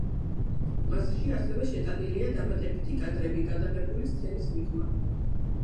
მასში ასევე შეტანილია დამატებითი კადრები, გადაღებული სცენის მიღმა.